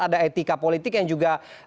ada etika politik yang juga